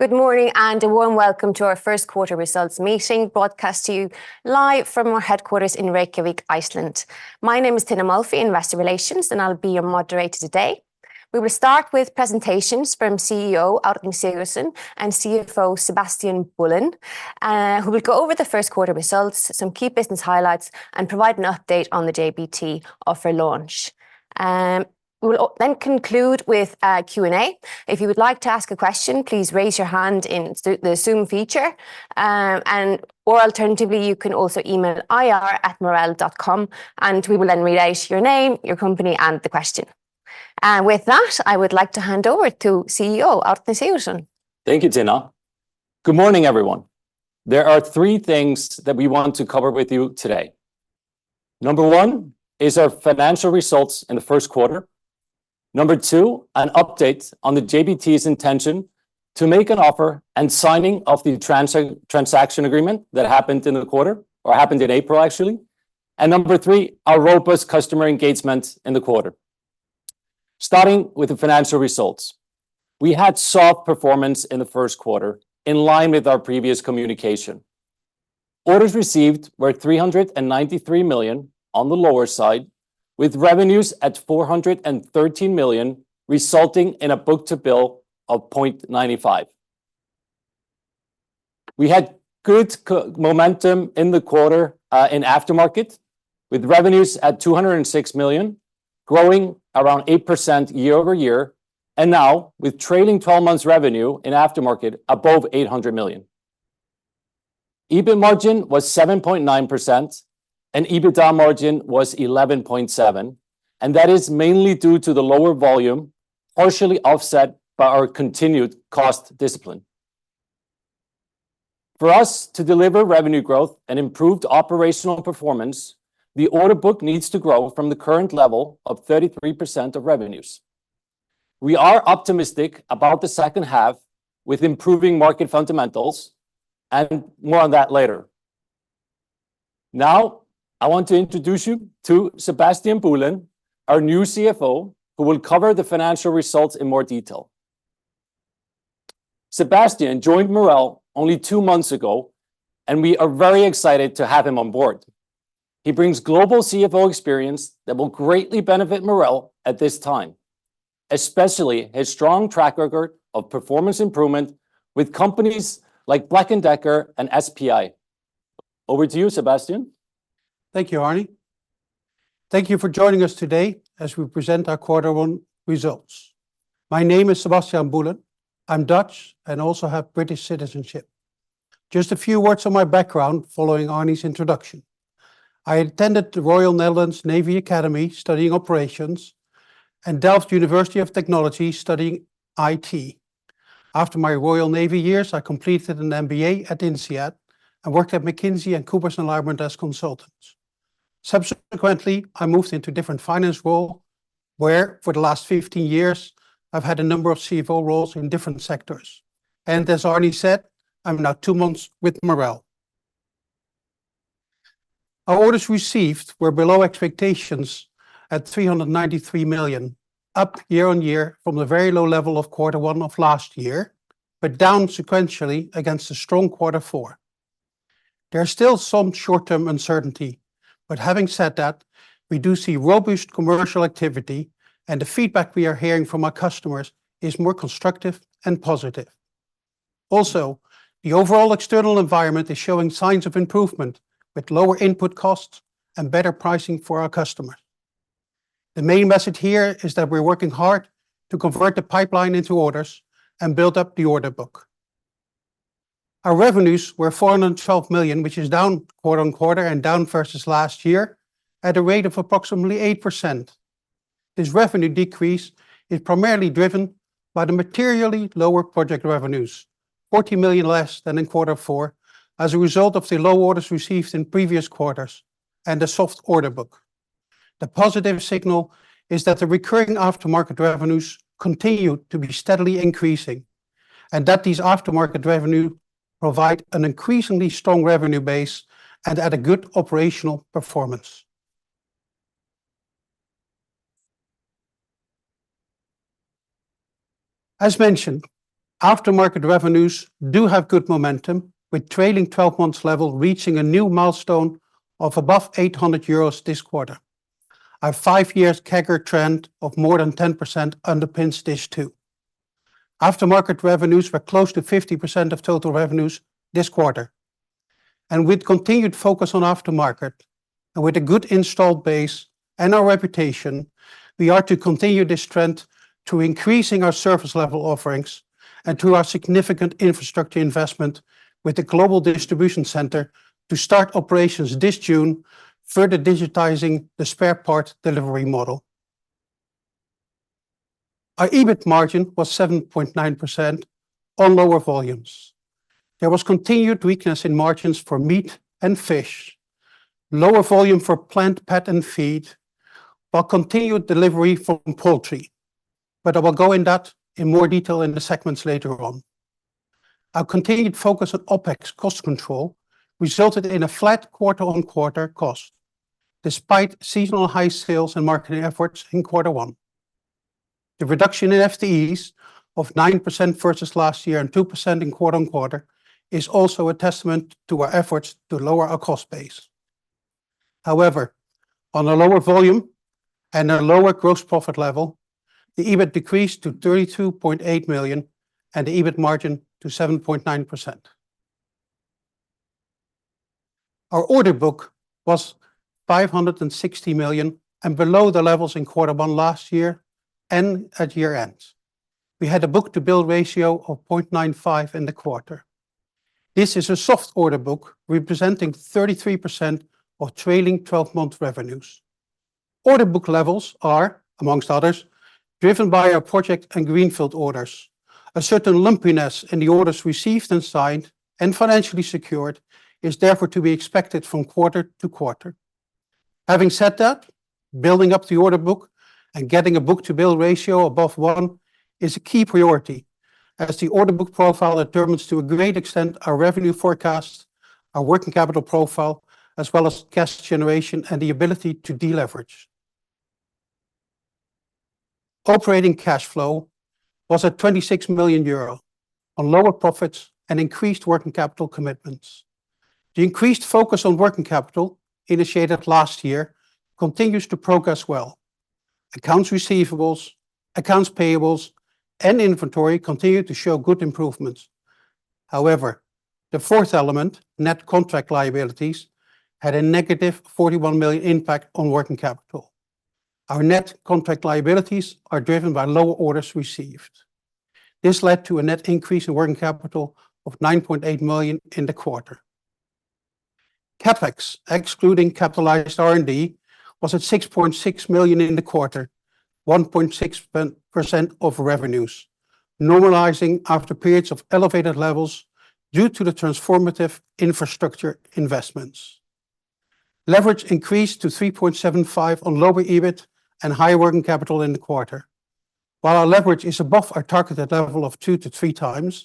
Good morning and a warm welcome to our first quarter results meeting, broadcast to you live from our headquarters in Reykjavík, Iceland. My name is Tinna Molphy, Investor Relations, and I'll be your moderator today. We will start with presentations from CEO Árni Sigurðsson and CFO Sebastiaan Boelen, who will go over the first quarter results, some key business highlights, and provide an update on the JBT offer launch. We will then conclude with Q&A. If you would like to ask a question, please raise your hand in the Zoom feature, or alternatively you can also email ir@marel.com and we will then read out your name, your company, and the question. With that, I would like to hand over to CEO Árni Sigurðsson. Thank you, Tinna. Good morning, everyone. There are three things that we want to cover with you today. Number one is our financial results in the first quarter. Number two, an update on the JBT's intention to make an offer and signing of the transaction agreement that happened in the quarter, or happened in April actually, and number three, our robust customer engagement in the quarter. Starting with the financial results, we had soft performance in the first quarter in line with our previous communication. Orders received were 393 million on the lower side, with revenues at 413 million resulting in a book-to-bill of 0.95. We had good momentum in the quarter in aftermarket, with revenues at 206 million, growing around 8% year-over-year, and now with trailing 12 months revenue in aftermarket above 800 million. EBIT margin was 7.9%, and EBITDA margin was 11.7%, and that is mainly due to the lower volume, partially offset by our continued cost discipline. For us to deliver revenue growth and improved operational performance, the order book needs to grow from the current level of 33% of revenues. We are optimistic about the second half with improving market fundamentals, and more on that later. Now I want to introduce you to Sebastiaan Boelen, our new CFO, who will cover the financial results in more detail. Sebastiaan joined Marel only two months ago, and we are very excited to have him on board. He brings global CFO experience that will greatly benefit Marel at this time, especially his strong track record of performance improvement with companies like Black & Decker and SPI. Over to you, Sebastiaan. Thank you, Árni. Thank you for joining us today as we present our quarter one results. My name is Sebastiaan Boelen. I'm Dutch and also have British citizenship. Just a few words on my background following Árni's introduction. I attended the Royal Netherlands Navy Academy studying operations and Delft University of Technology studying IT. After my Royal Navy years, I completed an MBA at INSEAD and worked at McKinsey and Coopers & Lybrand as consultants. Subsequently, I moved into a different finance role, where for the last 15 years I've had a number of CFO roles in different sectors. And as Árni said, I'm now two months with Marel. Our orders received were below expectations at 393 million, up year-on-year from the very low level of quarter one of last year, but down sequentially against the strong quarter four. There is still some short-term uncertainty, but having said that, we do see robust commercial activity and the feedback we are hearing from our customers is more constructive and positive. Also, the overall external environment is showing signs of improvement with lower input costs and better pricing for our customers. The main message here is that we're working hard to convert the pipeline into orders and build up the order book. Our revenues were 412 million, which is down quarter-on-quarter and down versus last year at a rate of approximately 8%. This revenue decrease is primarily driven by the materially lower project revenues, 40 million less than in quarter four as a result of the low orders received in previous quarters and the soft order book. The positive signal is that the recurring aftermarket revenues continue to be steadily increasing and that these aftermarket revenues provide an increasingly strong revenue base and add a good operational performance. As mentioned, aftermarket revenues do have good momentum, with trailing 12 months level reaching a new milestone of above 800 euros this quarter. Our five-year CAGR trend of more than 10% underpins this too. Aftermarket revenues were close to 50% of total revenues this quarter. And with continued focus on aftermarket and with a good installed base and our reputation, we are to continue this trend through increasing our surface-level offerings and through our significant infrastructure investment with the Global Distribution Center to start operations this June, further digitizing the spare part delivery model. Our EBIT margin was 7.9% on lower volumes. There was continued weakness in margins for meat and fish, lower volume for plant, pet, and feed, while continued delivery from poultry, but I will go into that in more detail in the segments later on. Our continued focus on OpEx cost control resulted in a flat quarter-on-quarter cost, despite seasonal high sales and marketing efforts in quarter one. The reduction in FTEs of 9% versus last year and 2% quarter-on-quarter is also a testament to our efforts to lower our cost base. However, on a lower volume and a lower gross profit level, the EBIT decreased to 32.8 million and the EBIT margin to 7.9%. Our order book was 560 million and below the levels in quarter one last year and at year-end. We had a book-to-bill ratio of 0.95 in the quarter. This is a soft order book representing 33% of trailing 12-month revenues. Order book levels are, among others, driven by our project and greenfield orders. A certain lumpiness in the orders received and signed and financially secured is therefore to be expected from quarter to quarter. Having said that, building up the order book and getting a book-to-bill ratio above one is a key priority as the order book profile determines to a great extent our revenue forecast, our working capital profile, as well as cash generation and the ability to deleverage. Operating cash flow was at 26 million euro on lower profits and increased working capital commitments. The increased focus on working capital initiated last year continues to progress well. Accounts receivables, accounts payables, and inventory continue to show good improvements. However, the fourth element, net contract liabilities, had a negative 41 million impact on working capital. Our net contract liabilities are driven by lower orders received. This led to a net increase in working capital of 9.8 million in the quarter. CapEx, excluding capitalized R&D, was at 6.6 million in the quarter, 1.6% of revenues, normalizing after periods of elevated levels due to the transformative infrastructure investments. Leverage increased to 3.75 on lower EBIT and higher working capital in the quarter. While our leverage is above our targeted level of 2-3x,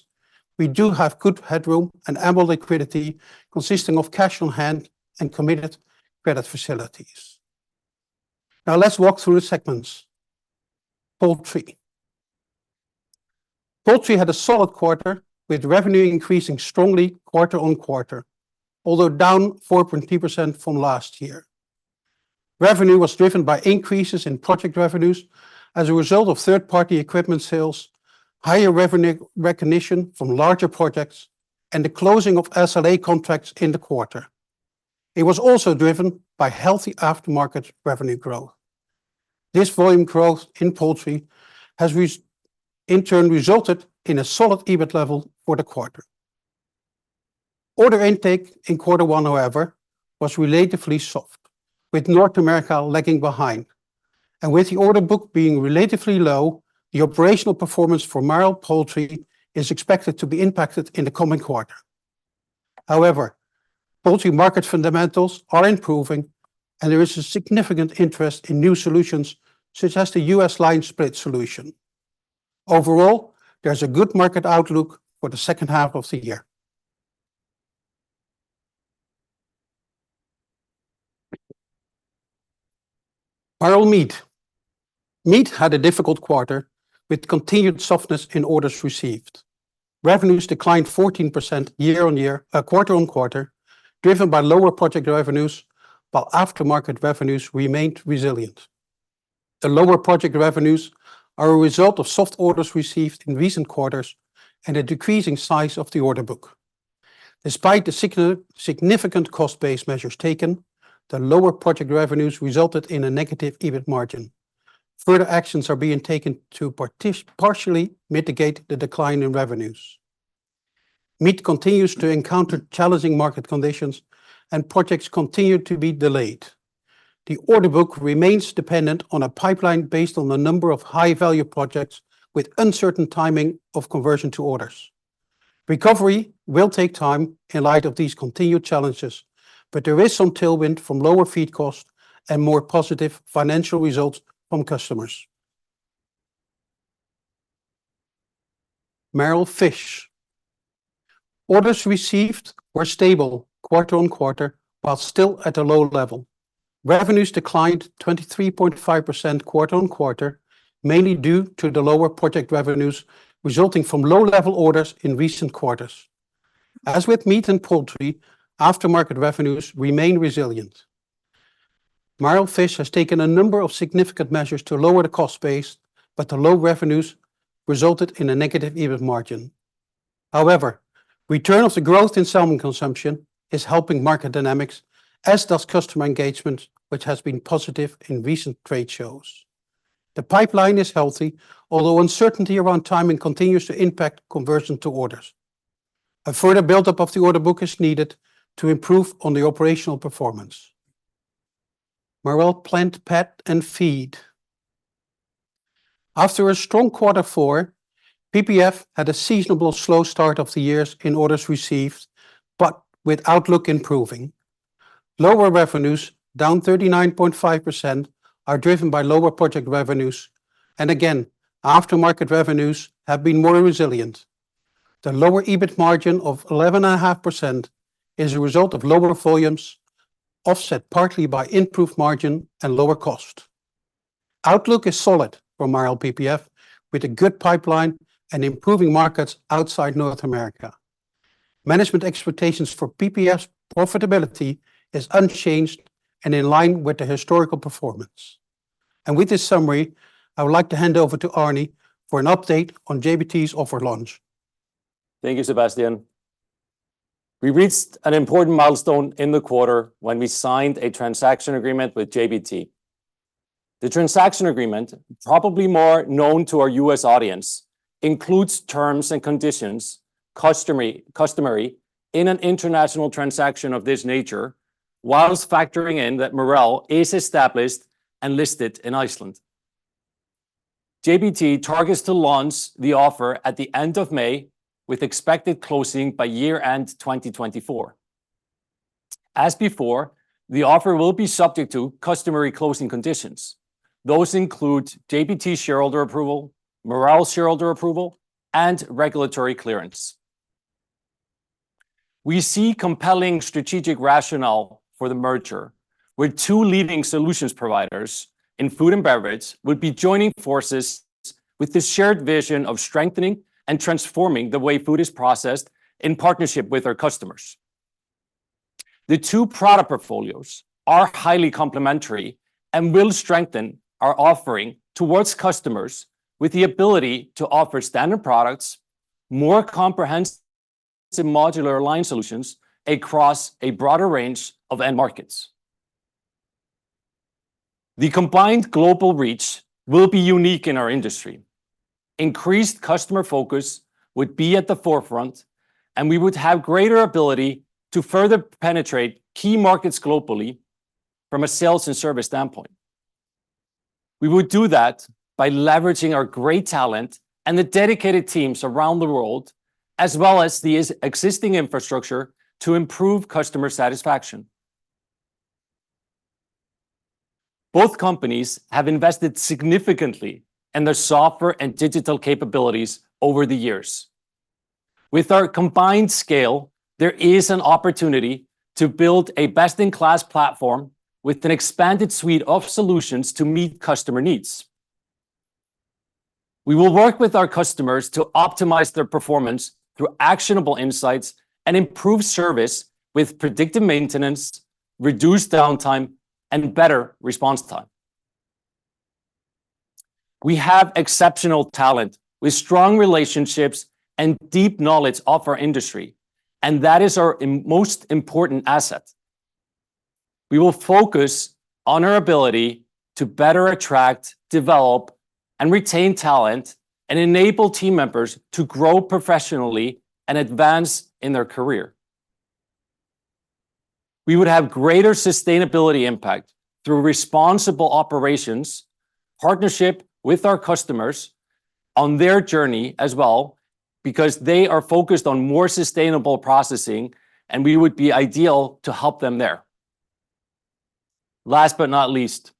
we do have good headroom and ample liquidity consisting of cash on hand and committed credit facilities. Now let's walk through the segments. Poultry. Poultry had a solid quarter with revenue increasing strongly quarter-on-quarter, although down 4.3% from last year. Revenue was driven by increases in project revenues as a result of third-party equipment sales, higher revenue recognition from larger projects, and the closing of SLA contracts in the quarter. It was also driven by healthy aftermarket revenue growth. This volume growth in poultry has in turn resulted in a solid EBIT level for the quarter. Order intake in quarter one, however, was relatively soft, with North America lagging behind. With the order book being relatively low, the operational performance for Marel Poultry is expected to be impacted in the coming quarter. However, poultry market fundamentals are improving and there is a significant interest in new solutions such as the U.S. line split solution. Overall, there's a good market outlook for the second half of the year. Marel Meat. Meat had a difficult quarter with continued softness in orders received. Revenues declined 14% year-on-year, quarter-on-quarter, driven by lower project revenues, while aftermarket revenues remained resilient. The lower project revenues are a result of soft orders received in recent quarters and a decreasing size of the order book. Despite the significant cost-based measures taken, the lower project revenues resulted in a negative EBIT margin. Further actions are being taken to partially mitigate the decline in revenues. Meat continues to encounter challenging market conditions and projects continue to be delayed. The order book remains dependent on a pipeline based on a number of high-value projects with uncertain timing of conversion to orders. Recovery will take time in light of these continued challenges, but there is some tailwind from lower feed costs and more positive financial results from customers. Marel Fish. Orders received were stable quarter-on-quarter while still at a low level. Revenues declined 23.5% quarter-on-quarter, mainly due to the lower project revenues resulting from low-level orders in recent quarters. As with meat and poultry, aftermarket revenues remain resilient. Marel Fish has taken a number of significant measures to lower the cost base, but the low revenues resulted in a negative EBIT margin. However, return of the growth in salmon consumption is helping market dynamics, as does customer engagement, which has been positive in recent trade shows. The pipeline is healthy, although uncertainty around timing continues to impact conversion to orders. A further buildup of the order book is needed to improve on the operational performance. Marel Plant, Pet, and Feed. After a strong quarter four, PPF had a seasonal slow start of the year in orders received, but with outlook improving. Lower revenues, down 39.5%, are driven by lower project revenues, and again, aftermarket revenues have been more resilient. The lower EBIT margin of 11.5% is a result of lower volumes, offset partly by improved margin and lower cost. Outlook is solid for Marel PPF, with a good pipeline and improving markets outside North America. Management expectations for PPF's profitability are unchanged and in line with the historical performance. With this summary, I would like to hand over to Árni for an update on JBT's offer launch. Thank you, Sebastiaan. We reached an important milestone in the quarter when we signed a transaction agreement with JBT. The transaction agreement, probably more known to our U.S. audience, includes terms and conditions customary in an international transaction of this nature, whilst factoring in that Marel is established and listed in Iceland. JBT targets to launch the offer at the end of May, with expected closing by year-end 2024. As before, the offer will be subject to customary closing conditions. Those include JBT shareholder approval, Marel shareholder approval, and regulatory clearance. We see compelling strategic rationale for the merger, with two leading solutions providers in food and beverages joining forces with the shared vision of strengthening and transforming the way food is processed in partnership with our customers. The two product portfolios are highly complementary and will strengthen our offering towards customers with the ability to offer standard products, more comprehensive modular line solutions across a broader range of end markets. The combined global reach will be unique in our industry. Increased customer focus would be at the forefront, and we would have greater ability to further penetrate key markets globally from a sales and service standpoint. We would do that by leveraging our great talent and the dedicated teams around the world, as well as the existing infrastructure to improve customer satisfaction. Both companies have invested significantly in their software and digital capabilities over the years. With our combined scale, there is an opportunity to build a best-in-class platform with an expanded suite of solutions to meet customer needs. We will work with our customers to optimize their performance through actionable insights and improve service with predictive maintenance, reduced downtime, and better response time. We have exceptional talent with strong relationships and deep knowledge of our industry, and that is our most important asset. We will focus on our ability to better attract, develop, and retain talent and enable team members to grow professionally and advance in their career. We would have greater sustainability impact through responsible operations, partnership with our customers on their journey as well, because they are focused on more sustainable processing, and we would be ideal to help them there. Last but not least,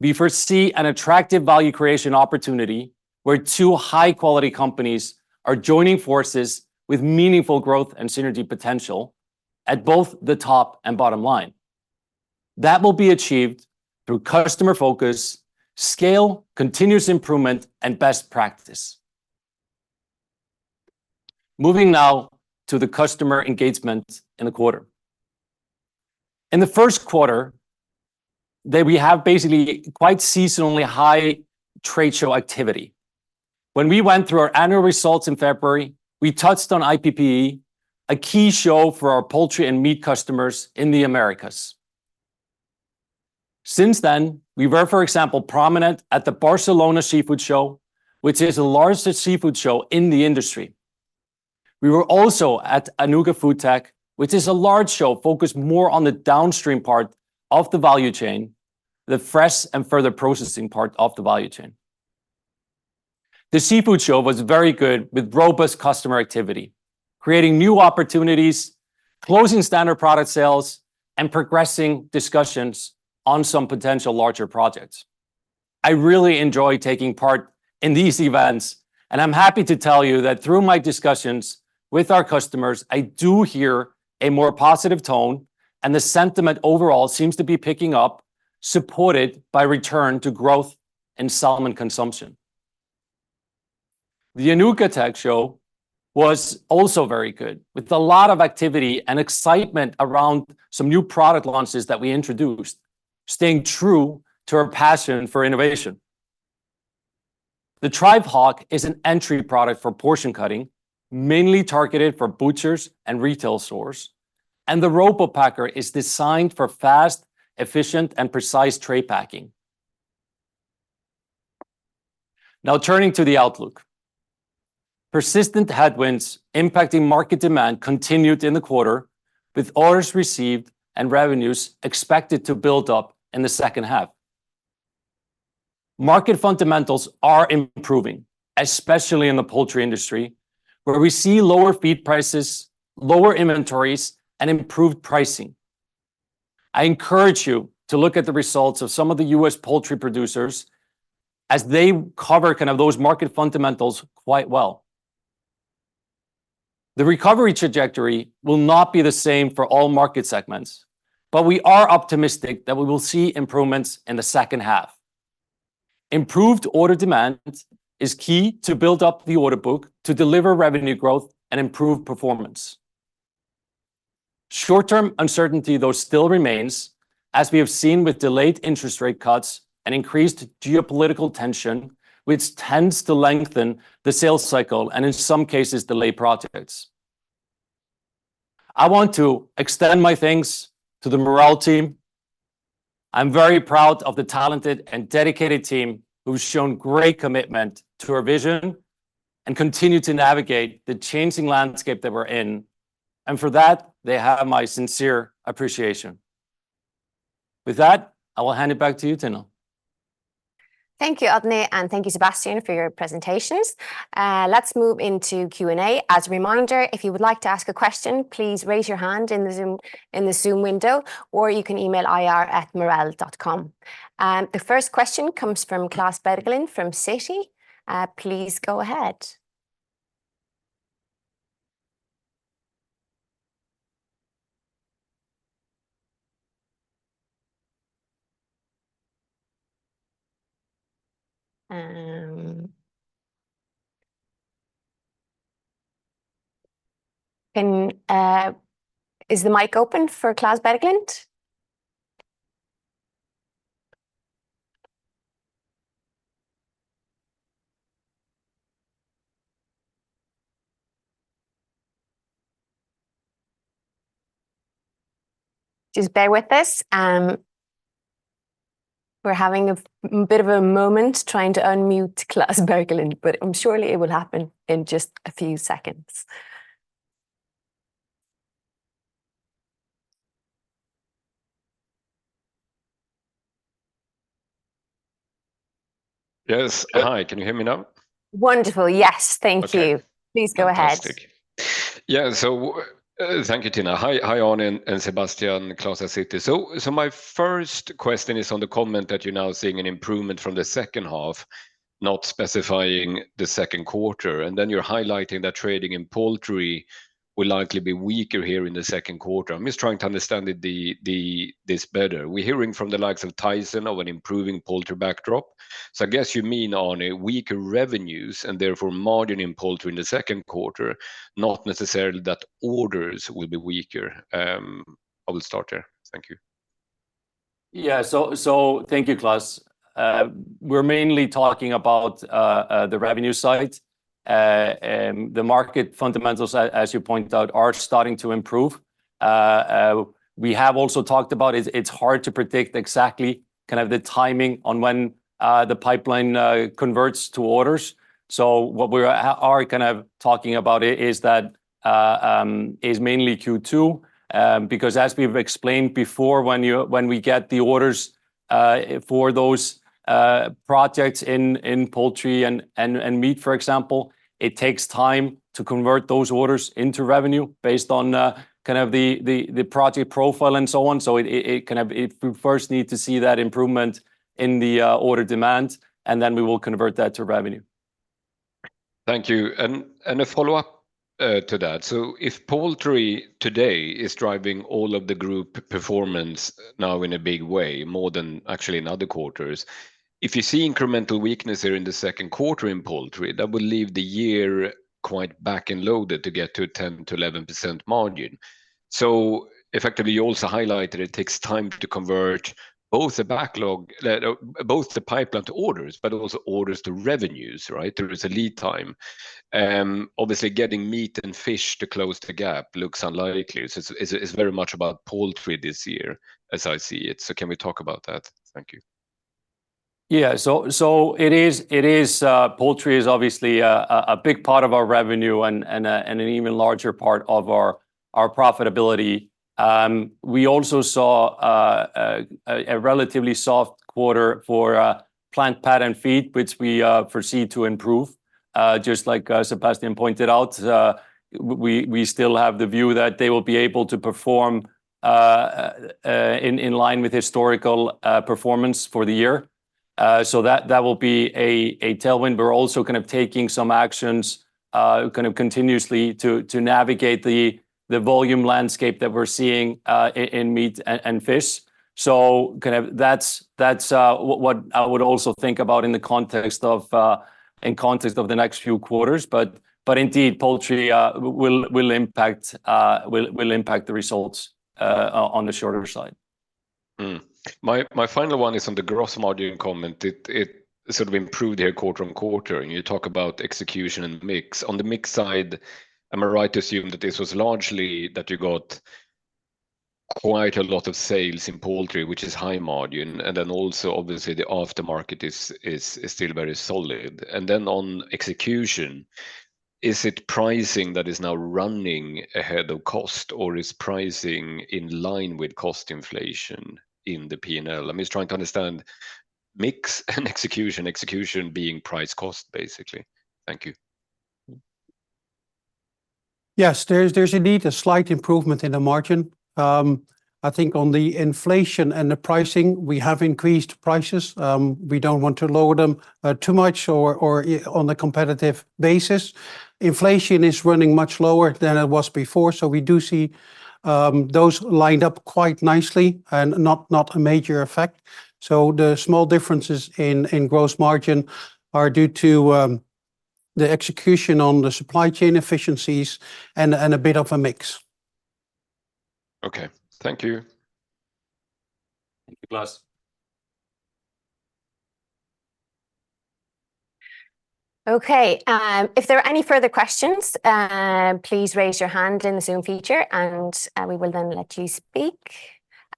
we foresee an attractive value creation opportunity where two high-quality companies are joining forces with meaningful growth and synergy potential at both the top and bottom line. That will be achieved through customer focus, scale, continuous improvement, and best practice. Moving now to the customer engagement in the quarter. In the first quarter, we have basically quite seasonally high trade show activity. When we went through our annual results in February, we touched on IPPE, a key show for our poultry and meat customers in the Americas. Since then, we were, for example, prominent at the Barcelona Seafood Show, which is the largest seafood show in the industry. We were also at Anuga FoodTec, which is a large show focused more on the downstream part of the value chain, the fresh and further processing part of the value chain. The seafood show was very good with robust customer activity, creating new opportunities, closing standard product sales, and progressing discussions on some potential larger projects. I really enjoy taking part in these events, and I'm happy to tell you that through my discussions with our customers, I do hear a more positive tone, and the sentiment overall seems to be picking up, supported by return to growth in salmon consumption. The Anuga Tech Show was also very good, with a lot of activity and excitement around some new product launches that we introduced, staying true to our passion for innovation. The TREIF Hawk is an entry product for portion cutting, mainly targeted for butchers and retail stores, and the RoboBatcher is designed for fast, efficient, and precise tray packing. Now turning to the outlook. Persistent headwinds impacting market demand continued in the quarter, with orders received and revenues expected to build up in the second half. Market fundamentals are improving, especially in the poultry industry, where we see lower feed prices, lower inventories, and improved pricing. I encourage you to look at the results of some of the U.S. poultry producers as they cover kind of those market fundamentals quite well. The recovery trajectory will not be the same for all market segments, but we are optimistic that we will see improvements in the second half. Improved order demand is key to build up the order book to deliver revenue growth and improve performance. Short-term uncertainty, though, still remains, as we have seen with delayed interest rate cuts and increased geopolitical tension, which tends to lengthen the sales cycle and, in some cases, delay projects. I want to extend my thanks to the Marel team. I'm very proud of the talented and dedicated team who've shown great commitment to our vision and continue to navigate the changing landscape that we're in, and for that, they have my sincere appreciation. With that, I will hand it back to you, Tinna. Thank you, Árni, and thank you, Sebastiaan, for your presentations. Let's move into Q&A. As a reminder, if you would like to ask a question, please raise your hand in the Zoom window, or you can email ir@marel.com. The first question comes from Klas Bergelind from Citi. Please go ahead. Is the mic open for Klas Bergelind? Just bear with this. We're having a bit of a moment trying to unmute Klas Bergelind, but surely it will happen in just a few seconds. Yes. Hi. Can you hear me now? Wonderful. Yes, thank you. Please go ahead. Yeah, so thank you, Tinna. Hi, Árni, and Sebastiaan, Klas at Citi. So my first question is on the comment that you're now seeing an improvement from the second half, not specifying the second quarter, and then you're highlighting that trading in poultry will likely be weaker here in the second quarter. I'm just trying to understand this better. We're hearing from the likes of Tyson of an improving poultry backdrop, so I guess you mean, Árni, weaker revenues and therefore margin in poultry in the second quarter, not necessarily that orders will be weaker. I will start there. Thank you. Yeah, so thank you, Klas. We're mainly talking about the revenue side. The market fundamentals, as you point out, are starting to improve. We have also talked about it's hard to predict exactly kind of the timing on when the pipeline converts to orders. So what we are kind of talking about is mainly Q2, because as we've explained before, when we get the orders for those projects in poultry and meat, for example, it takes time to convert those orders into revenue based on kind of the project profile and so on. So we first need to see that improvement in the order demand, and then we will convert that to revenue. Thank you. A follow-up to that. So if poultry today is driving all of the group performance now in a big way, more than actually in other quarters, if you see incremental weakness here in the second quarter in poultry, that would leave the year quite back and loaded to get to a 10%-11% margin. So effectively, you also highlighted it takes time to convert both the pipeline to orders, but also orders to revenues. There is a lead time. Obviously, getting meat and fish to close the gap looks unlikely. So it's very much about poultry this year, as I see it. So can we talk about that? Thank you. Yeah, so poultry is obviously a big part of our revenue and an even larger part of our profitability. We also saw a relatively soft quarter for plant, pet and feed, which we foresee to improve. Just like Sebastiaan pointed out, we still have the view that they will be able to perform in line with historical performance for the year. So that will be a tailwind. We're also kind of taking some actions kind of continuously to navigate the volume landscape that we're seeing in meat and fish. So kind of that's what I would also think about in the context of the next few quarters. But indeed, poultry will impact the results on the shorter side. My final one is on the gross margin comment. It sort of improved here quarter-over-quarter, and you talk about execution and mix. On the mix side, am I right to assume that this was largely that you got quite a lot of sales in poultry, which is high margin, and then also, obviously, the aftermarket is still very solid? And then on execution, is it pricing that is now running ahead of cost, or is pricing in line with cost inflation in the P&L? I'm just trying to understand mix and execution, execution being price-cost, basically. Thank you. Yes, there's indeed a slight improvement in the margin. I think on the inflation and the pricing, we have increased prices. We don't want to lower them too much or on a competitive basis. Inflation is running much lower than it was before, so we do see those lined up quite nicely and not a major effect. So the small differences in gross margin are due to the execution on the supply chain efficiencies and a bit of a mix. Okay. Thank you. Thank you, Klas. Okay. If there are any further questions, please raise your hand in the Zoom feature, and we will then let you speak.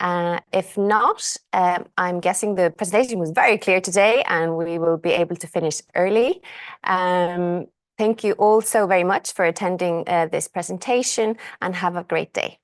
If not, I'm guessing the presentation was very clear today, and we will be able to finish early. Thank you also very much for attending this presentation, and have a great day.